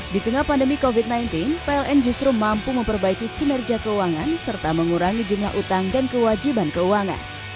di tengah pandemi covid sembilan belas pln justru mampu memperbaiki kinerja keuangan serta mengurangi jumlah utang dan kewajiban keuangan